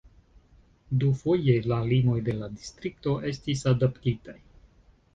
Dufoje la limoj de la distrikto estis adaptitaj.